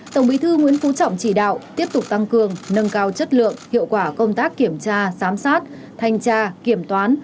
tổng bí thư nguyễn phú trọng chỉ đạo tiếp tục tăng cường nâng cao chất lượng hiệu quả công tác kiểm tra giám sát thanh tra kiểm toán